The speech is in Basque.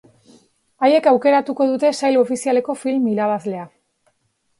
Haiek aukeratuko dute sail ofizialeko film irabazlea.